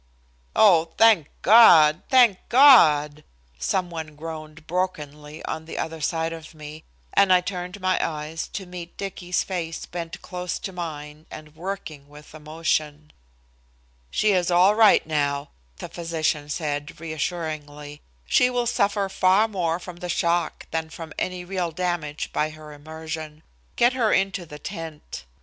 "Oh, thank God, thank God," some one groaned brokenly on the other side of me, and I turned my eyes to meet Dicky's face bent close to mine and working with emotion. "She is all right now," the physician said, reassuringly. "She will suffer far more from the shock than from any real damage by her immersion. Get her into the tent."